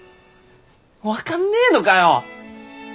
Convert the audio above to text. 分かんねえのかよ。